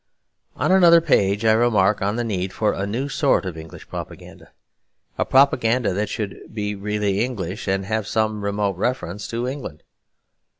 On another page I remark on the need for a new sort of English propaganda; a propaganda that should be really English and have some remote reference to England.